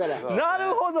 なるほど！